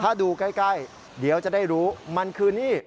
ถ้าดูใกล้เดี๋ยวจะได้รู้มันคือนี่